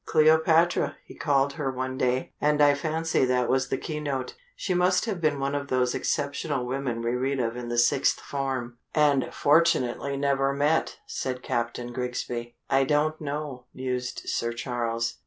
Cleopatra, he called her one day, and I fancy that was the keynote she must have been one of those exceptional women we read of in the sixth form." "And fortunately never met!" said Captain Grigsby. "I don't know," mused Sir Charles.